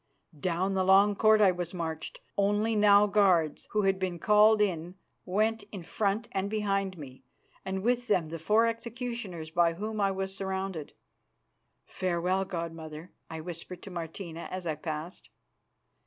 Down the long Court I was marched, only now guards, who had been called in, went in front of and behind me, and with them the four executioners by whom I was surrounded. "Farewell, god mother," I whispered to Martina as I passed.